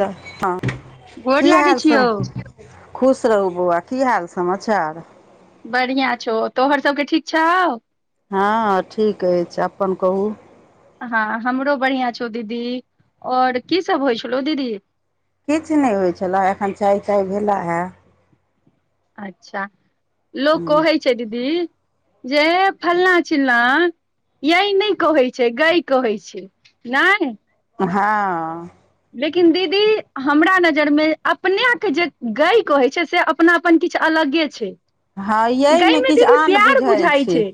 तऽ हँ गोर की लागै हाल छियौ सम खुश रहू बौआ की हाल समाचार। बढ़िआँ छौ तोहर सबके ठीक छौ हँ ठीक अछि अपन कहू। हँ हमरो बढ़ियां छौ दीदी आओर की सब होइ छेलौ दीदी किछ नहि होइत छलै, एखन चाय-ताय भेल हें। अच्छा लोक कहै छै दीदी। जे फल्ला चिल्ना यई नहि कहै छै गई कहै छै नहि हां लेकिन दीदी हमरा नजरिमे अपनेके जे गाय कहै छै से अपना अपन किछु अलगे छै हँ गइ यइमे मे किछु दीदी आन प्यार बुझै बुझाइ छै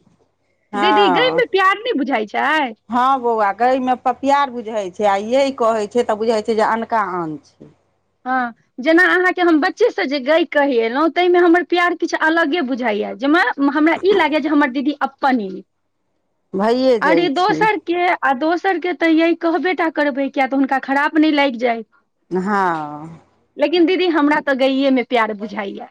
दीदी गइ मे प्यार नहि बुझाइ छै हँं बौआ गै मे त प्यार बुझाई छै आ यय कहे छै तऽ बुझाय छै जे अनका आन छै हँ। जेना अहाँके हम बच्चे से जे गय कहि एलहुँ ताहिमे हमर प्यार किछु अलगे बुझाइया जेमे हमरा ई लागै जे हमर दीदी अपन इ भइए ओर जाइ ई छै दोसरके आ दोसर के तऽ यय कहबे टा करबै किया तऽ हुनका खराब नहि लगि जाय हँ लेकिन दीदी हमरा तऽ गएये मे प्यार बुझाइया।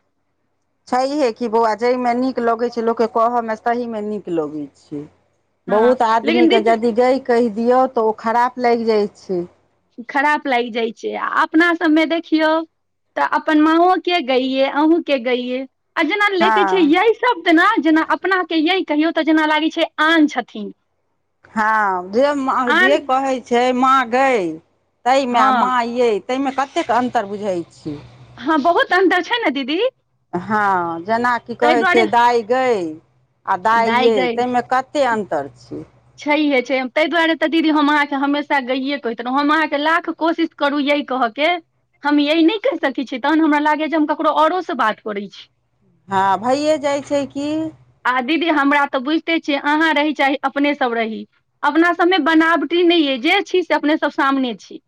छैहे कि बौआ, जाहिमे नीक लगैत छै, लोगके कोहमे ताहिमे नीक लगाई छै। हँ बहुत लेकिन आदमीके दीदी यदि गई कहि दियौ तऽ ओ खराप लागि जाइ छै खराप लागि जाइ छै आ अपना सभमे देखियौ तऽ अपन माँओ के गैे अहुँ के गैये आ जेना ले केे छै हँ यह शब्द ने जेना अपना के यै कहियौ तऽ जेना लागै छै आन छथिन हँ जे माँ जे आन कहैत छै माँ गय ताहिमे हँ माँ ये ताहिमे कतेक अन्तर बुझै छियै। हँ बहुत अन्तर छै ने दीदी हँ जेनाकि ताहि कहैत दुआरे छिये दाय गई आ दाइ यै ताहिमे क कतेक अन्तर छै छैहे छै ताहि दुआरे तऽ दीदी हम अहाँके हमेशा गईए कहैत रहहुँं हम अहाँके लाख कोशिश करू यही कहके हम ये नहि कहि सकैत छीयै तहन हमरा लागै जे हम ककरो औरो से बात करै छी हँ भइए जाइ छै की आ दीदी हमरा तऽ बुझिते छियै अहाँ रहै चाही अपने सब रही अपना सबमे बनावटी नहि अइ जे छी से अपने सब सामने छी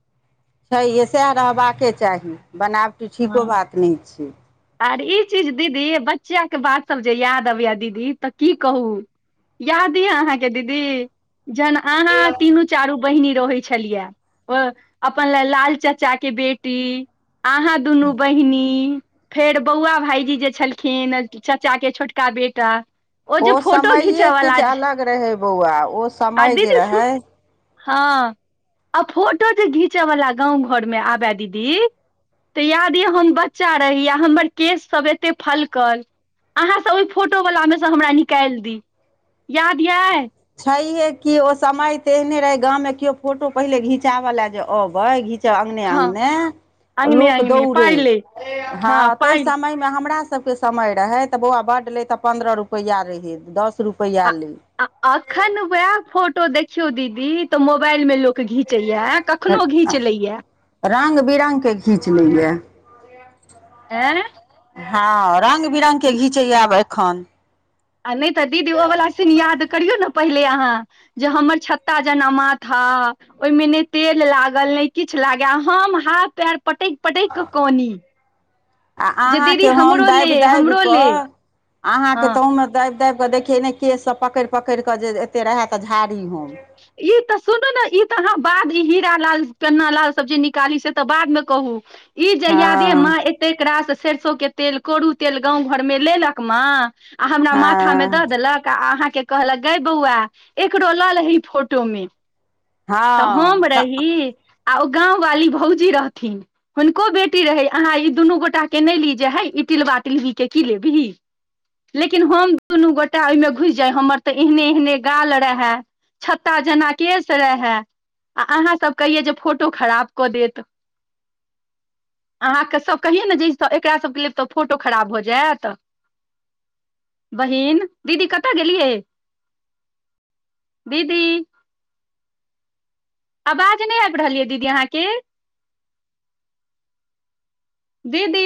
छै सएह रहबाके चाही बनाबटी हँ ठीको बात नहि छै आर ई चीज दीदी बच्चाक के बात सब जे याद अबया दीदी तऽ की कहू याद ये अहाँके दीदी जन अहाँ तीनू चारू बहिनी रहै छलियै ओ अपन ल लाल चचा के बेटी अहाँ दुनू बहिनी फेर बौआ भाईजी जे छलखिन चाचा के छोटका बेटा ओ जे फोटो समैऐ घीचऽ वाला किछु अलग रहै बौआ ओ आ समय जे दीदी सु रहै हँ आ फोटो जे घीचयवला गाँव घरमे आबए दीदी तऽ इएहाद यि हम बच्चा रही आ हमर केशसभ एतेक फलकल अहाँसँ ओहि फोटोवलामेसँ हमरा निकालि दी याद यऽ छैहे कि ओ समय ते एहने रहे गाममे केओ फोटो पहिले घिचाबय लए जे अबै घिच अने हँ अंगने अंगने लोक अंगने दौड़े पाइ ले ह हँ ता पानि समय हमरा सबके समय रहै तऽ बौआ बड्ड ले तऽ पन्द्रह रुपैया रहे दस रुपैया आ ले आ अखन वएह फोटो देखियौ दीदी तऽ मोबाइल मे लोक घीचैया कखनो घीच लैया रंग बिरंगगके घीच लैय आँ हँ रंग बिरंग के घिचै ये आब एखन आ नहि तऽ दीदी ओ वला सीन याद करियौ ने पहिले अहाँ जे हमर छत्ता जना माथा ओहिमे ने तेल लागल नहि किछु लागै हम हाथ पएर पटकि पटकि कऽ कनी आ जे दीदी अहाँके हम हमरो ले दाबि हमरो ले दाबिकऽ अहाँके हँ तहुमे दाबि दाबिकऽ देखिय नहि केशसँ पकड़ि पकड़ि कऽ जे एते रहै तऽ झाड़ी होम ई तऽ सुनू ने ई तऽ अहाँ बाद ई हीरा लाल केना लाल सब्जी निकाली से तऽ बादमे कहू ई जहिया हँ देमाँ तेक रास सरसो के तेल कोू तेल गाँव घरमे लेलक माँ आ हमरा माथा में हँ द देलक आ अहाँ के कहलक गे बौआ एकरो लऽ लही फोटो मे तऽ हम हँ तऽ रही आ ओ गाँव वाली भौजी रहथिन हुनको बेटी रहै अहाँ ई दुनू गोटाके नहि ली जे हे ई टिलबा टिलवी की लेबही लेकिन हम दुनू गोटा ओहिमे घुसि जाय हमर तऽ एहने एहने गाल रहै छ्ता जेना केस रहै आ अहाँसभ कहियै जे फोटो खराब कऽ देत अहाँके सभ कहियै ने ज एकरा सभके ल लेब तऽ फोटो खराब भऽ जायत बहिन दीदी कतऽ गेलियै दीदी आवाज नहि आबि रहल यै दीदी अहाँके दीदी